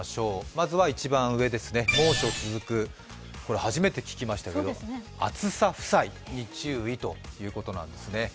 まずは一番上ですね、猛暑続く初めて聞きましたけれども、暑さ負債に注意ということなんですね。